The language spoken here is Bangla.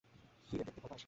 ফিরে দেখতে ভয় পাস?